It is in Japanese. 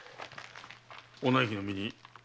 お内儀の身に何か？